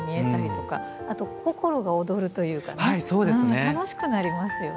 楽しくなりますよね